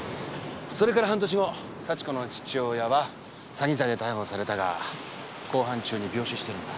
それから半年後幸子の父親は詐欺罪で逮捕されたが公判中に病死してるんだ。